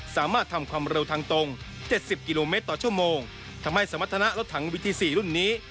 สามารถทำความเร็วทางตรงเจ็ดสิบกิโลเมตรต่อชั่วโมงทำให้สมรรถนะรถถังวิธีสี่รุ่นนี้